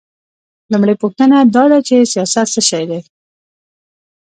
لومړۍ پوښتنه دا ده چې سیاست څه شی دی؟